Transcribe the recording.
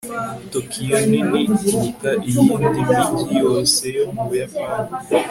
tokiyo nini kuruta iyindi mijyi yose yo mu buyapani